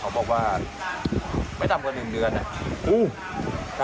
เขาบอกว่าไม่ต่ำกว่าหนึ่งเดือนอะ